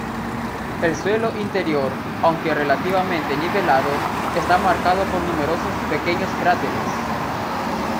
El suelo interior, aunque relativamente nivelado, está marcado por numerosos pequeños cráteres.